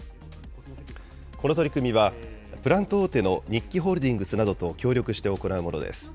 この取り組みは、プラント大手の日揮ホールディングスなどと協力して行うものです。